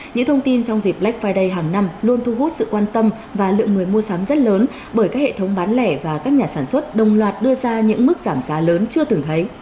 những thông tin trong dịp black friday hàng năm luôn thu hút sự quan tâm và lượng người mua sắm rất lớn bởi các hệ thống bán lẻ và các nhà sản xuất đồng loạt đưa ra những mức giảm giá lớn chưa từng thấy